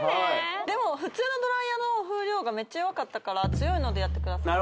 でも普通のドライヤーの風量がメッチャ弱かったから強いのでやってください